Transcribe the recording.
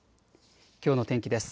きょうの天気です。